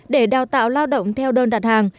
để đào tạo lao động theo đơn đặt hàng